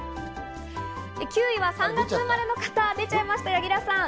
９位は３月生まれの方で、出ちゃいました、柳楽さん。